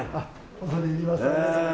恐れ入ります。